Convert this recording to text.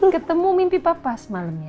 ketemu mimpi papa semalemnya